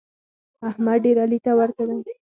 احمد ډېر علي ته ورته دی.